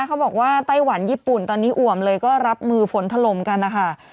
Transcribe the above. ไต้หวันญี่ปุ่นตอนนี้อ่วมเลยก็รับมือฝนถล่มกันนะคะ